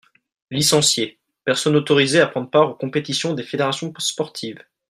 Licencié : Personne autorisée à prendre part aux compétitions des fédérations sportives.